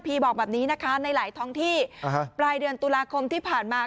บอกแบบนี้นะคะในหลายท้องที่ปลายเดือนตุลาคมที่ผ่านมา